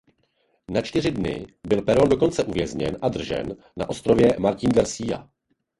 Na čtyři dny byl Perón dokonce uvězněn a držen na ostrově Martín García.